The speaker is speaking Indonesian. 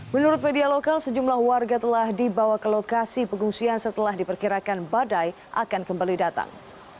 menurut media lokal sejumlah warga telah dibawa ke lokasi pengungsian setelah diperkirakan badai akan kembali datang